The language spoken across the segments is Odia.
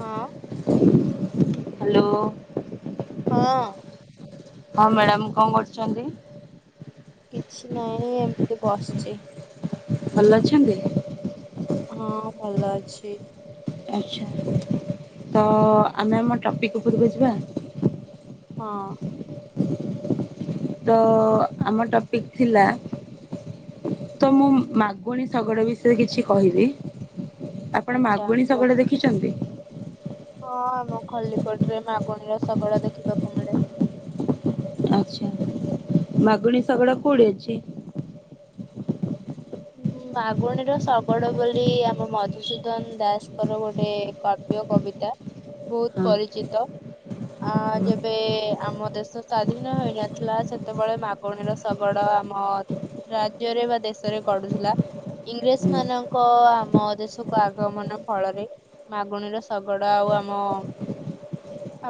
ହଁ। ହାଲୋ। ହଁ। ହଁ ମ୍ୟାଡାମ କଣ କରୁଛନ୍ତି? କିଛି ନାଇଁ ଏମତି ବସଚି। ଭଲ ଅଛନ୍ତି? ହଁ ଭଲ ଅଛି। ଆଚ୍ଛା ତ ଆମେ ଆମ ଟପିକ୍ ଉପରୁକୁ ଯିବା? ହଁ। ତ ଆମ ଟପିକ୍ ଥିଲା ତ ମୁଁ ମାଗୁଣି ଶଗଡ ବିଷୟ କିଛି କହିବି। ଆପଣ ଆଚ୍ଛା ମାଗୁଣିଶଗଡ କୁହନ୍ତୁ। ଦେଖିଚନ୍ତି? ହଁ ଆମ ଖଲ୍ଲିକୋଟ ରେ ମାଗୁଣିର ଶଗଡ ଦେଖିବାକୁ ମିଳେ। ଆଚ୍ଛା ମାଗୁଣି ଶଗଡ କୋଉଟି ଅଛି? ହୁଁ ମାଗୁଣୀର ଶଗଡ ବୋଲି ଆମ ମଧୁସୂଦନ ଦାସଙ୍କର ଗୋଟେ କ ବ୍ୟ କବିତା ହଁ। ବହୁତ ପରିଚିତ। ଅଁ ଯେବେ ଆମ ଦେଶ ସ୍ଵାଧୀନ ହୋଇନଥିଲା ସେତେବେଳେ ମା ଗୁଣିର ଶଗଡ ଆମ ରାଜ୍ୟରେ ବା ଦେଶରେ ଗଡୁଥିଲା। ଇଂରେଜ ମାନଙ୍କ ଆମ ଦେଶକୁ ଆଗମନ ଫଳରେ ମାଗୁଣିର ଶଗଡ ଆଉ ଆମ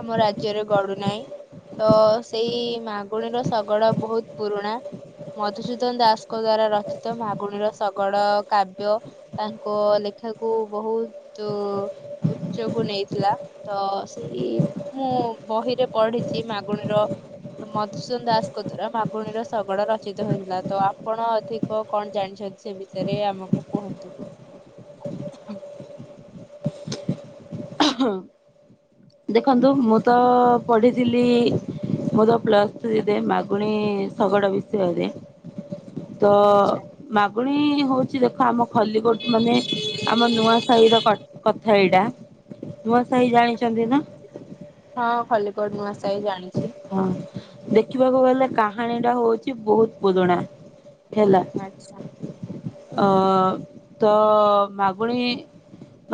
ଆମ ରାଜ୍ୟରେ ଗଡୁ ନାଇଁ। ତ ସେଇ ମାଗୁଣିର ଶଗଡ ବହୁତ ପୁରୁଣା। ମଧୁସୂଦନ ଦାସଙ୍କ ଦ୍ଵାରା ରଚିତ ମାଗୁଣିର ଶଗଡ କାବ୍ୟ ତାଙ୍କ ଲେଖାକୁ ବହୁତୁ ଉଚ୍ଚକୁ ନେଇଥିଲା ତ ସେଇ ମୁଁ ବହିରେ ପଢିଚି ମାଗୁଣିର ମଧୁସୂନ ଦାସଙ୍କ ଦ୍ଵାରା ମାଗୁଣିର ଶଗଡ ରଚିତ ହେଇଥିଲା ତ ଆପଣ ଅଧି ଓ କଣ ଜାଣିଛନ୍ତି ସେ ବିଷୟରେ ଆମକୁ କୁହନ୍ତୁ। ଅ ହ ଦେଖନ୍ତୁ ମୁଁ ତ ପଢିଥିଲି ମୁ ତ ପ୍ଲସ୍ ଥ୍ରୀରେ ମାଗୁଣି ଶଗଡ଼ ବିଷୟରେ। ତ ଆଚ୍ଛା ମାଗୁଣି ହଉଚି ଦେଖ ଆମ ଖଲ୍ଲିକୋଟ ମାନେ ଆମ ନୂଆ ସାହିର କ କଥା ଏଇଟା। ନୂଆସାହି ଜାଣିଚନ୍ତି ନା? ହଁ ଖଲ୍ଲିକୋଟ ନୂଆସାଇ ଜାଣିଚି। ହଁ ଦେଖିବାକୁ ଗଲେ କାହାଣୀ ଟା ହଉଚି ବହୁତ ପୁରୁଣା। ହେଲା ଆଚ୍ଛା। ଅ ତ ମାଗୁଣି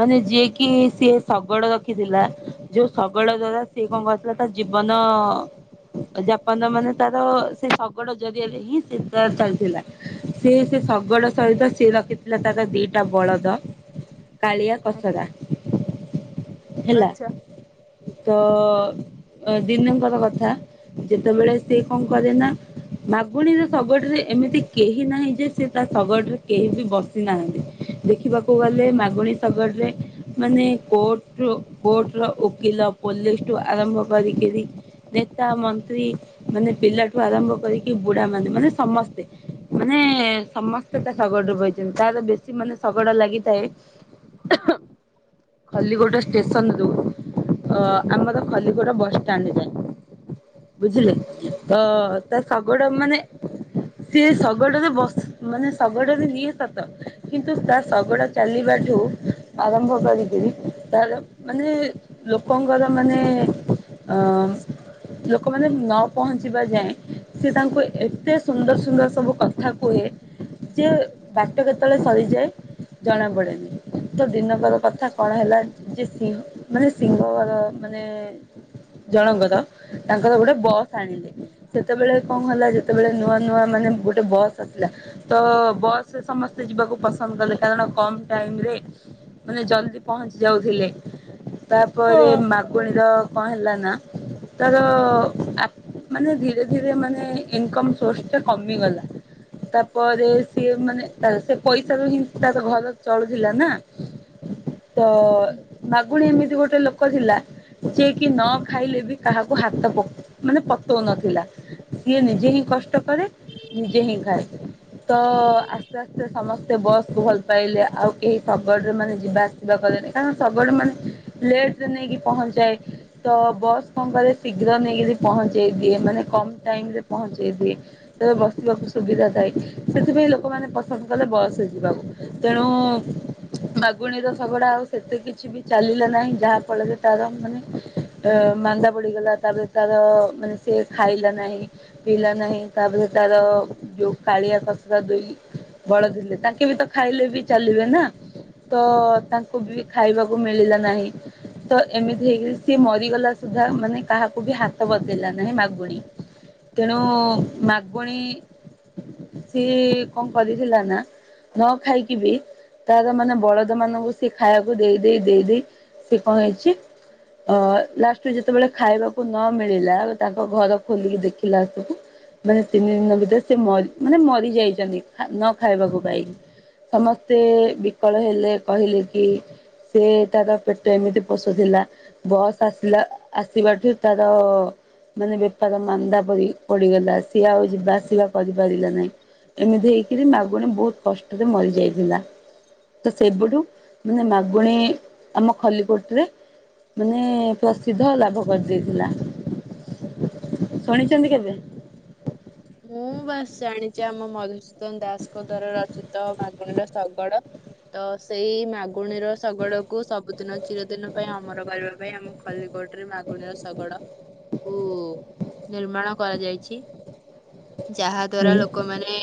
ମାନେ ଯିଏକି ସିଏ ଶଗଡ଼ ରଖିଥିଲା ଯୋଉ ଶଗଡ଼ ଦ୍ଵାରା ସେ କଣ କରିଥିଲା ତା ଜୀବନ ଯାପନ ମାନେ ତାର ସେ ଶଗଡ଼ ଜରିଆରେ ହିଁ ସେ ତା ଚାଲିଥିଲା। ସିଏ ସେ ଶଗଡ଼ ସହିତ ସିଏ ରଖିଥିଲା ତାର ଦିଟା ବଳଦ। କାଳିଆ କସରା ହେଲା। ଆଚ୍ଛା ତ ଦିନେକର କଥା, ଯେତେବେଳେ ସିଏ କଣ କରେ ନା ମାଗୁଣୀର ଶଗଡ଼ରେ ଏମିତି କେହି ନାହିଁ ଯେ ସେ ତା ଶଗଡ଼ରେ କେହି ବି ବସି ନାହାନ୍ତି। ଦେଖିବାକୁ ଗଲେ ମାଗୁଣୀ ସାଗଡ଼ରେ ମାନେ କୋର୍ଟ, କୋର୍ଟ ର ଓକିଲ, ପୋଲିସଠୁ ଆରମ୍ଭ କରିକି ବି ନେତା, ମନ୍ତ୍ରୀ ମାନେ ପିଲାଠୁ ଆରମ୍ଭ କରିକି ବୁଢ଼ାମାନେ ମାନେ ସମସ୍ତେ। ମାନେ ସମସ୍ତେ ତା ଶଗଡ଼ରେ ବଇଛନ୍ତି। ତାର ବେଶୀ ମାନେ ଶଗଡ ଲାଗିଥାଏ। ଏ ହୁନ ଖଲିକୋଟ ଷ୍ଟେସନ ରୁ ଅ ଆମର ଖଲିକୋଟ ବସଷ୍ଟାଣ୍ଡ୍ ଯାଏ। ବୁଝିଲେ? ତ ତା ଶାଗଡ଼ ମାନେ ସିଏ ଶଗଡ଼ରେ ବସେ ମାନେ ଶଗଡ଼ରେ ନିଏ ସତ। କିନ୍ତୁ ତା ଶଗଡ଼ ଚ ଚାଲିବାଠୁ ଆରମ୍ଭ କରିକିରି ତାର ମାନେ ଲୋକଙ୍କର ମାନେ ଓଁ ଲୋକମାନେ ନ ପହଞ୍ଚିବା ଯାଏଁ। ସେ ତାଙ୍କୁ ଏତେ ସୁନ୍ଦର ସୁନ୍ଦର ସବୁ କଥା କୁହେ ଯେ ବାଟ କେତେବେଳେ ସରିଯାଏ ଜଣା ପଡେ଼ନି। ତ ଦିନକର କଥା କଣ ହେଲା ଯେ କି ମାନେ ସିଂହର ମାନେ ଜଣଙ୍କର ତାଙ୍କର ଗୋଟେ ବସ୍ ଆଣିଲେ। ସେତେବେଳେ କଣ ହେଲା ଯେତେବେଳେ ନୂଆ ନୂଆ ମାନେ ଗୋଟେ ବସ୍ ଆସିଲା। ତ ବସରେ ସମସ୍ତେ ଯିବାକୁ ପସନ୍ଦ କଲେ। କାରଣ କମ ଟାଇମ୍ ରେ ମାନେ ଜଲଦି ପହଞ୍ଚି ଯାଉଥିଲେ। ତାପରେ ହଁ। ମାଗୁଣୀ ର କଣ ହେଲା ନା ତାର ଆ ମାନେ ଧୀରେ ଧୀରେ ମାନେ ଇନକମ୍ ସୋର୍ସ ଟା କମିଗଲା। ତାପରେ ସିଏ ମାନେ ତା ସେ ପଇସାରେ ହିଁ ତା ଘର ଚଳୁଥିଲା ନା? ତ ମାଗୁଣୀ ଏମିତି ଗୋଟେ ଲୋକ ଥିଲା ଯିଏ କି ନ ଖାଇଲେ ବି କାହାକୁ ହାତ ପକ୍ ମାନେ ପତଉ ନଥିଲା। ସିଏ ନିଜେ ହିଁ କଷ୍ଟ କରେ ନିଜେ ହିଁ ଖାଏ। ତୋ ଆସ୍ତେ ଆସ୍ତେ ସମସ୍ତେ ବସକୁ ଭଲ ପାଇଲେ। ଆଉ କେହି ଶଗଡ଼ରେ ମାନେ ଯିବା ଆସିବା ତୋ କଲେନି, କାରଣ ଶଗଡ଼ ମାନେ ଲେଟରେ ନେଇକି ପହଞ୍ଚାଏ। ତ ବସ୍ କଣ କରେ ଶୀଘ୍ର ନେଇ ସେ ପହଞ୍ଚେଇ ଦିଏ। ମାନେ କମ ଟାଇମ୍ ରେ ପହଞ୍ଚେଇ ଦିଏ। ସେବେ ବସିବାକୁ ସୁବିଧା ଥାଏ ସେଥିପାଇଁ ଲୋକମାନେ ପସନ୍ଦ କଲେ ବସରେ ଯିବାକୁ। ତେଣୁ ମାଗୁଣୀର ଶଗଡ଼ ଆଉ ସେତେ କିଛି ବି ଚାଲିଲା ନାହିଁ। ଯାହା ଫଳରେ ତାର ମାନେ ଅ ମାନ୍ଦା ପଡି଼ଗଲା ତାପରେ ତାର ମାନେ ସେ ଖାଇଲା ନାହିଁ। ପିିଲା ନାହିଁ। ତାପରେ ତାର ଯୋଉ କାଳିଆ କସରା ଦୁଇ ବଳ ଥିଲେ ତାଙ୍କେ ବି ତ ଖାଇଲେ ବି ଚାଲିବେ ନା? ତ ତାଙ୍କୁ ବି ଖାଇବାକୁ ମିଳିଲା ନାହିଁ। ତ ଏମିତି ହେଇକରି ସିଏ ମରିଗଲା ସୁଦ୍ଧା ମାନେ କାହାକୁ ବି ହାତ ପତେଇଲା ନାହିଁ ମାଗୁଣୀ। ତେଣୁ ମାଗଣୀ ସିଏ କଣ କରିଥିଲା ନା? ନ ଖାଇକି ବି ତାର ମାନେ ବଳଦ ମାନଙ୍କୁ ସି ଖାଇବାକୁ ଦେଇ ଦେଇେ ଦେଇ ଦେଇ ସି କଣ ହେଇଛି ଅ ଲା ତ ଯେତେବେଳେ ଖାଇବାକୁ ନ ମିଳିଲା ତାଙ୍କ ଘର ଖୋଲିକି ଦେଖିଲା ମାନେ ତିନି ଦିନ ଭିତରେ ସେ ମରି ମାନେ ମରି ଯାଇଛନ୍ତି ନ ଖାଇବାକୁ ପାଇକି ସମସ୍ତେ ବିକଳ ହେଲେ କହିଲେ କି ସେ ତାର ପେଟ ଏମିତି ପୋଷୁଥିଲା ବସ୍ ଆସ ଥିଲା ଆସିବାରୁ ତାର ମାନେ ବେପାର ମାନ୍ଦା ପଡି ପଡିଗଲା ସିଏ ଆଉ ଯିବାସିବା କରିପାରିଲା ନାହିଁ। ଏମିତି ହେଇକରି ମାଗୁଣୀ ବହୁତ କଷ୍ଟରେ ମରିଯାଇଥିଲା। ତ ସେବୁଠୁ ମାନେ ମାଗୁଣୀ ଆମ ଖଲିକୋଟରେ ମାନେ ପ୍ରସିଦ୍ଧ ଲାଭ କରିଦେଇଥିଲା ଶୁଣିଛନ୍ତି କେବେ [inaudible] ମୁଁ ବାସ ଜାଣିଛି ଆମ ମଧୁସୂଦନ ଦାସଙ୍କ ଦ୍ଵାରା ରଚିତ ମାଗୁଣୀର ଶଗଡ ତ ସେଇ ମାଗୁଣୀର ଶଗଡକୁୁ ସବୁଦିନ ଚିରଦିନ ପାଇଁ ଅମର କରିବା ପାଇଁ ଆମେ ଖଲିକୋଟ ମାଗୁଣୀର ଶଗଡ଼ କୁ ନିର୍ମାଣ କରାଯାଇଛି ଯାହା ଦ୍ଵାରା ହୁଁ ଲୋକମାନେ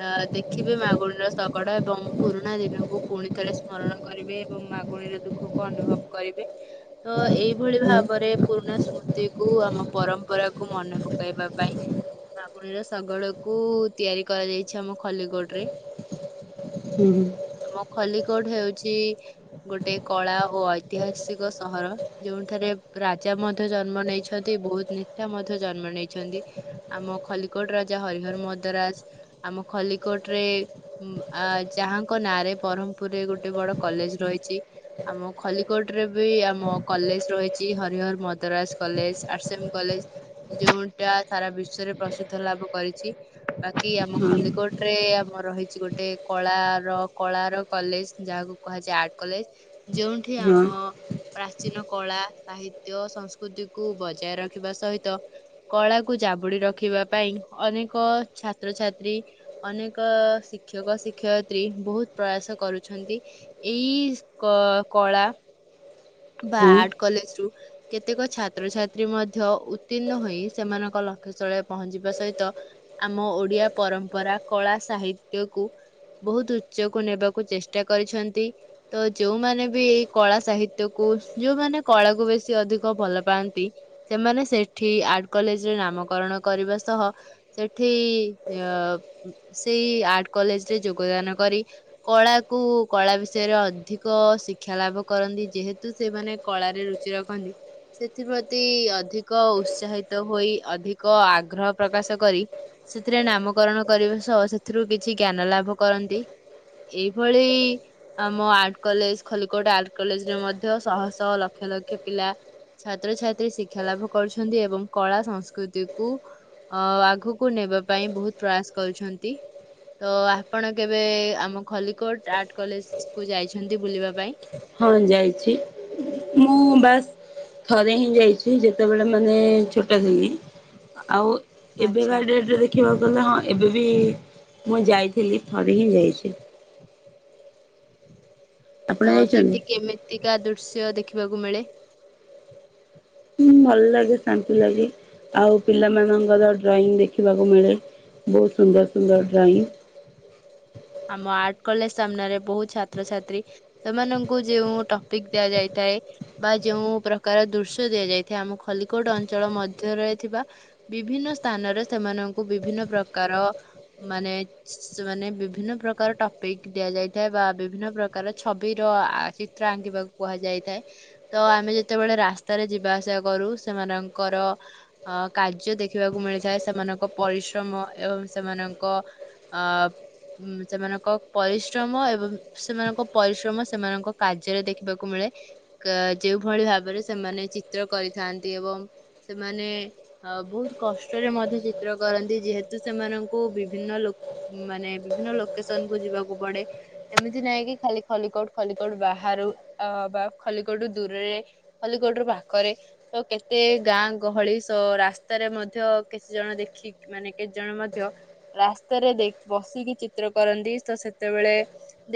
ଅ ଦେଖିବେ ମାଗୁଣୀର ଶଗଡ ଏବଂ ପୁରୁଣା ଦିନକୁ ପୁଣିଥଳେ ସ୍ମରଣ କରିବେ ଏବଂ ମାଗୁଣୀର ଦୁଃଖକୁ ଅନୁଭବ କରିବେ ତ ଏଇଭଳି ହୁଁ ଭାବରେ ପୁରୁଣା ସ୍ମୃତ କୁ ଆମ ପରମ୍ ଉପରାକୁ ମନେ ପକେଇବା ପାଇଁ। ବାଗୁଣୀର ଶଗଡ଼ କୁ ତିଆରି କରାଯାଇଛି ଆମ ଖଲିକୋଟରେ। ହୁଁ। ଆମ ଖଲିକୋଟ ହେଉଛି ଗୋଟେ କଳା ଓ ଐତିହାସିକ ସହର। ଯୋଉଠାରେ ରାଜା ମଧ୍ୟ ଜନ୍ମ ନେଇଛନ୍ତି ବହୁତ ନେତା ମଧ୍ୟ ଜନ୍ମ ନେଇଛନ୍ତି। ଆମ ଖଲିକୋଟ ରାଜା ହରିହର ମଦ୍ରାଜ ଆମ ଖଲିକୋଟ ରେ ଆ ଯାହାଙ୍କ ନାଁରେ ବ୍ରହ୍ମପୁରରେ ଗୋଟେ ବଡ କଲେଜ ରହିଛି। ଆମ ଖଲିକୋଟ ରେ ବି ଆମ କଲେଜ ରହିଛି ହରିହର ମଦ୍ରାସ କଲେଜ ଆର୍ସଏମ୍ କଲେଜ। ଯୋଉଟା ସାରା ବିଶ୍ଵରେ ପ୍ରସିଦ୍ଧ ଲାଭ କରିଛି। ବାକି ଆମ ଖଲିକୋଟରେ ଆମ ରହିଛି ଗୋଟେ କଳାର କଳାର କଲେଜ ଯାହାକୁ କୁହାଯାଏ ଆର୍ଟ କଲେଜ ଯୋଉଠି ହଁ ଆମ ପ୍ରାଚୀନ କଳା ସାହିତ୍ୟ ସଂସ୍କୃତିକୁ ବଜାୟ ରଖିବା ସହିତ କଳାକୁୁ ଜାବୁଡି ରଖିବା ପାଇଁ ଅନେକ ଛାତ୍ରଛାତ୍ରୀ ଅନେକ ଶିକ୍ଷକ ଶିକ୍ଷୟିତ୍ରୀ ବହୁତ ପ୍ରୟାସ କରୁଛନ୍ତି। ଏଇ କ କଳା ବା ହଁ ଆର୍ଟ କଲେଜ ରୁ କେତେକ ଛାତ୍ରଛାତ୍ରୀ ମଧ୍ୟ ଉତ୍ତୀର୍ଣ୍ଣ ହୋଇ ସେମାନଙ୍କ ଲକ୍ଷ୍ୟସ୍ଥଳରେ ପହଞ୍ଚିବା ସହିତ ଆମ ଓଡିଆ ପରମ୍ପରା କଳା ସାହିତ୍ୟକୁୁ ବହୁତ ଉଚ୍ଚକୁ ନେବାକୁ ଚେଷ୍ଟା କରିଛନ୍ତି ତ ଯୋଉମାନେ ବି ଏଇ କଳା ସାହିତ୍ କୁ ଯୋଉମାନେ କଳାକୁ ବେଶୀ ଅଧିକ ଭଲ ପାଆନ୍ତି। ସେମାନେ ସେଠି ଆର୍ଟ କଲେଜରେ ନାମକରଣ କରିବା ସହ ସେଠି ଅ ସେଇ ଆର୍ଟ କଲେଜରେ ଯୋଗଦାନ କରି କଳାକୁ କଳା ବିଷୟରେ ଅଧିକ ଶିକ୍ଷା ଲାଭ କରନ୍ତି। ଯେହେତୁ ସେମାନେ କଳାରେ ରୁଚି ରଖନ୍ତି। ସେଥିପ୍ରତି ଅଧିକ ଉତ୍ସାହିତ ହୋଇ ଅଧିକ ଆଗ୍ରହ ପ୍ରକାଶ କରି ସେଥିରେ ନାମକରଣ କରିବା ସହ ସେଥିରୁ କିଛି ଜ୍ଞାନ ଲାଭ କରନ୍ତି। ଏଇଭଳି ଆମ art college Khallikote art college ରେ ମଧ୍ୟ ଶହ ଶହ ଲକ୍ଷ ଲକ୍ଷ ପିଲା। ଛାତ୍ରଛାତ୍ରୀ ଶିକ୍ଷା ଲାଭ କରୁଛନ୍ତି ଏବଂ କଳା ସଂସ୍କୃତି କୁ ଅ ଆଗକୁ ନେବା ପାଇଁ ବହୁତ ପ୍ରୟାସ କରୁଛନ୍ତି। ତ ଆପଣ କେବେ ଆମ ଖଲିକୋଟ ଆର୍ଟ କଲେଜକୁ ଯାଇଛନ୍ତି ବୁଲିବା ପାଇଁ? ହଁ ଯାଇଛି ମୁଁ ବାସ ଥରେହିଁ ଯାଇଛି ଯେତେବେଳେ ମାନେ ଛୋଟ ଥିଲି ଆଉ ଆଚ୍ଛା। ଏବେକା ଡେଟରେ ଦେଖିବାକୁ ଗଲେ ହଁ ଏବେବି ମୁଁ ଯାଇଥିଲି ଥରେହିଁ ଯାଇଛି। ଆପଣ ତ ଯାଇଛନ୍ତି? ସେଠି କେମିତିକା ଦୃଶ୍ୟ ଦେଖିବାକୁ ମିଳେ। ଭଲଲାଗେ ଶାନ୍ତିଲାଗେ ଆଉ ପିଲାମାନଙ୍କର ଡ୍ରଇଂ ଦେଖିବାକୁ ମିଳେ। ବହୁତ ସୁନ୍ଦର ସୁନ୍ଦର ଡ୍ରଇଂ। ଆମ ଆର୍ଟ କଲେଜ ସାମ୍ନାରେ ବହୁତ ଛାତ୍ରଛାତ୍ରୀ। ସେମାନଙ୍କୁ ଯେଉଁ ଟପିକ ଦିଆ ଯାଇଥାଏ। ବା ଯେଉଁ ପ୍ରକାର ଦୃଶ୍ୟ ଦିଆଯାଇଥାଏ ଆମ ଖଲିକୋଟ ଅଞ୍ଚଳ ମଧ୍ୟରେ ଥିବା। ବିଭିନ୍ନ ସ୍ଥାନରେ ସେମାନଙ୍କୁ ବିଭିନ୍ନ ପ୍ରକାର ମାନେ ସି ସି ସେମାନେ ବିଭି ବିଭିନ୍ନ ପ୍ରକାର ଟପିକ ଦିଆଯାଇଥାଏ ବା ବିଭିନ୍ନ ପ୍ରକାର ଛବିର ଚିତ୍ର ଆଙ୍କିବାକୁ। କୁହାଯାଇଥାଏ ତ ଆମେ ଯେତେବେଳେ ରାସ୍ତାରେ ଯିବା ଆସିବା କରୁ ସେମାନଙ୍କର ଅ କାର୍ଯ୍ୟ ଦେଖିବାକୁ ମିଳିଥାଏ ସେମାନଙ୍କ ପରିଶ୍ରମ ଏବଂ ସେମାନଙ୍କ ଆପ ଉୁଁ ସେମାନଙ୍କ ପରିଶ୍ରମ ଏବଂ ସେମାନଙ୍କ ପରିଶ୍ରମ ସେମାନଙ୍କ କାର୍ଯ୍ୟରେ ଦେଖିବାକୁ ମିଳେ। କା ଯେଉଭଳି ଭାବରେ ସେମାନେ ଚିତ୍ର କରିଥାନ୍ତି ଏବଂ ସେମାନେ ଅ ବହୁତ କଷ୍ଟରେ ମଧ୍ୟ ଚିତ୍ର କରନ୍ତି ଯେହେତୁ ସେମାନଙ୍କୁ ବିଭିନ୍ନ ଲୋକ। ମାନେ ବିଭିନ୍ନ ଲୋକେସନକୁ ଯିବାକୁ ପଡେ। ଏମିତି ନାଇଁକି ଖାଲି ଖଲିକୋଟ ଖଲିକୋଟ ବାହାରୁ ଅ ବା ଖଲିକୋଟୁ ଦୂରରେ ଖଲିକୋଟର ପାଖରେ ତ କେତେ ଗାଁ ଗହଳି ସହ ରାସ୍ତାରେ ମଧ୍ୟ କେତେ ଜଣ ଦେଖିକି ମାନେ କେତେ ଜଣ ମଧ୍ୟ ରାସ୍ତାରେ ଦେ ବସିକି ଚିତ୍ର କରନ୍ତିତ ସେତେବେଳେ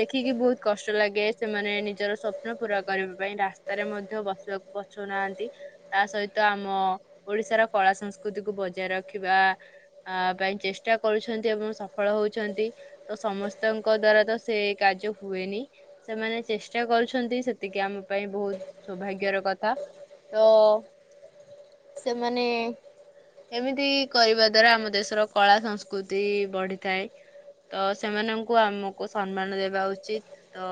ଦେଖିକି ବହୁତ କଷ୍ଟ ଲାଗେ ସେମାନେ ନିଜର ସ୍ୱପ୍ନ ପୁରା କରିବା ପାଇଁ ରାସ୍ତାରେ ମଧ୍ୟ ବସିବାକୁ ପ ପଛୁନାହାନ୍ତି ତାସହିତ ଆମ ଓଡିଶାର କଳା ସଂସ୍କୃତିକୁ ବଜାୟ ରଖିବା। ଆ ପାଇଁ ଚେଷ୍ଟା କରୁଛନ୍ତି ଏବଂ ସଫଳ ହଉଛନ୍ତି। ତ ସମସ୍ତଙ୍କ ଦ୍ଵାରାତ ସେ କାର୍ଯ୍ୟ ହୁଏନି। ସେମାନେ ଚେଷ୍ଟା କରୁଛନ୍ତି ସେତିକି ଆମ ପାଇଁ ବହୁତ ସୌଭାଗ୍ୟର କଥା। ତ ସେମାନେ ଏମିତି କରିବା ଦ୍ଵାରା ଆମଦେଶର କଳା ସଂସ୍କୃତି ବଢିଥାଏ। ତ ସେମାନଙ୍କୁ ଆମକୁ ସମ୍ମାନହଦେବା ଉଚିତ ତ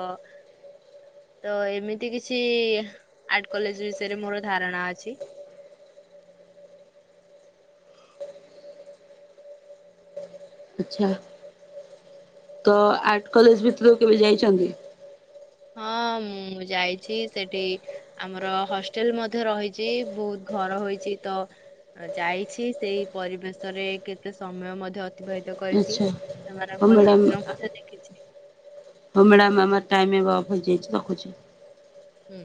ତ ଏମିତିକିଛି ଆର୍ଟ କଲେଜ ବିଷୟରେ ମୋର ଧାରଣା ଅଛି। ଆଚ୍ଛା ତ ଆର୍ଟ କଲେଜ ଭିତରୁକୁ କେବେ ଯାଇଚନ୍ତି। ହଁ ମୁଁ ଯାଇଛି ସେଠି ଆମର ହଷ୍ଟେଲ ମଧ୍ୟ ରହିଛି ବହୁତ ଘର ହୋଇଛିତ ଯାଇଛି ସେଇ ପରିବେଶରେ କେତେ ସମୟ ମଧ୍ୟ। ଭେଦ କରିଛି ଆଚ୍ଛା। ହଁ ସେମାନଙ୍କ ମ୍ୟାଡ଼ାମ ଚିତ୍ର ମଧ୍ୟ ଦେଖିଛି। ହଁ ମ୍ୟାଡାମ ଆମର ଟାଇମ ଏବେ ଅଫ ହେଇଯାଇଛି ରଖୁଛି। ଉୁଁ।